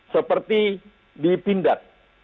seperti di pindad